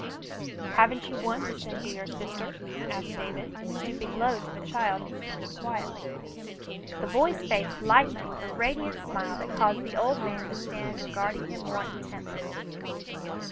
"Haven't you one to send to your sister ?" asked David, stooping low to the child and speaking quietly. The boy's face lighted with a radiant smile that caused the old man to stand regarding him more intently.